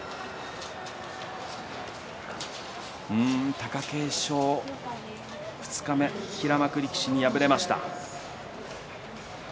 貴景勝は、二日目平幕力士に敗れました。